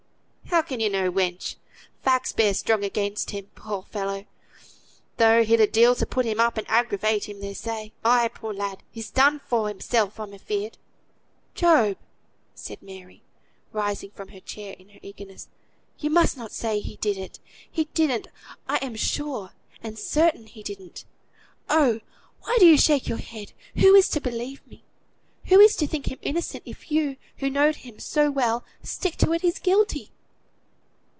"How can you know, wench? Facts bear strong again him, poor fellow, though he'd a deal to put him up, and aggravate him, they say. Ay, poor lad, he's done for himself, I'm afeared." "Job!" said Mary, rising from her chair in her eagerness, "you must not say he did it. He didn't; I'm sure and certain he didn't. Oh! why do you shake your head? Who is to believe me, who is to think him innocent, if you, who know'd him so well, stick to it he's guilty?"